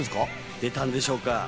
出たんでしょうか。